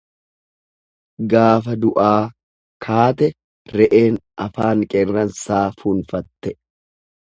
Gaafa du'aa kaate re'een afaan qeerransaa fuunfatte.